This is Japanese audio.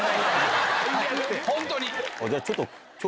じゃあちょっと。